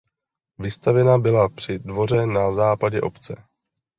Vystavěna byla při dvoře na západě obce.